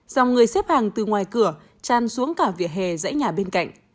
dòng người xếp hàng từ ngoài cửa tràn xuống cả vỉa hè dãy nhà bên cạnh